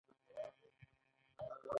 ښاغلی محمد هدایت یو دروند شخصیت دی.